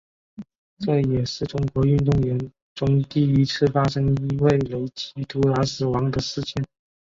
这也是中国运动员中第一次发生因为雷击突然死亡的事件。